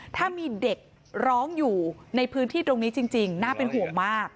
ถ้ามีเด็กร้องอยู่ในพื้นที่ตรงนี้จริงน่าเป็นห่วงมาก